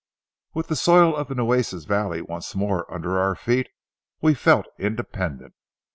With the soil of the Nueces valley once more under our feet we felt independent.